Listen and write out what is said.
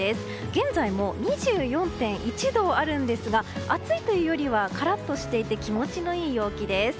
現在も２４．１度あるんですが暑いというよりはカラッとしていて気持ちのいい陽気です。